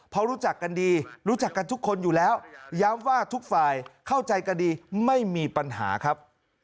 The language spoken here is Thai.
เพราะรู้จักกันดีรู้จักกันทุกคนอยู่แล้วย้ำว่าทุกฝ่ายเข้าใจกันดีไม่มีปัญหาครับ